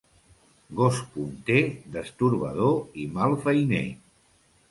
Gos punter, destorbador i mal feiner.